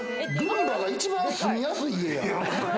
ルンバが一番住みやすい家や。